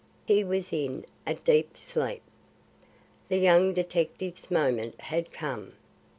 He was in a deep sleep. The young detective's moment had come.